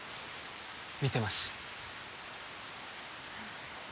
見てます。